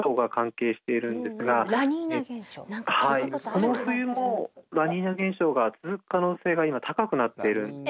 この冬もラニーニャ現象が続く可能性が今高くなっているんで。